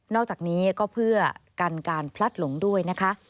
อกจากนี้ก็เพื่อกันการพลัดหลงด้วยนะคะ